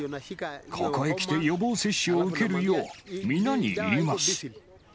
ここへ来て、予防接種を受けるよう、皆に言います。